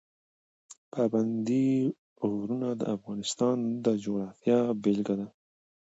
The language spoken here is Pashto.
پابندی غرونه د افغانستان د جغرافیې بېلګه ده.